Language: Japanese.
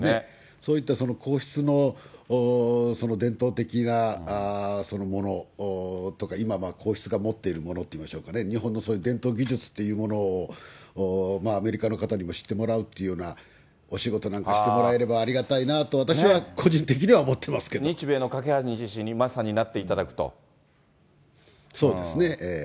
そういった皇室の伝統的なそのものとか、今、皇室が持っているものといいましょうかね、日本のそういう伝統技術っていうものをアメリカの方にも知ってもらうというようなお仕事なんかしてもらえればありがたいなと、私日米の懸け橋に、まさになっそうですね。